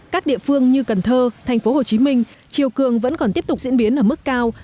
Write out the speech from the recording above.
các địa phương như cần thơ thành phố hồ chí minh triều cường vẫn còn tiếp tục diễn biến ở mức cao